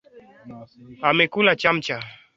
Amekula chamcha